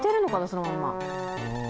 そのまま。